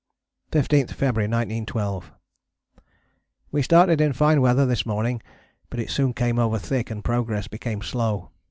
15th February 1912. We started in fine weather this morning, but it soon came over thick and progress became slow.